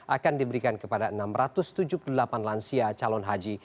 akan diberikan kepada enam ratus tujuh puluh delapan lansia calon haji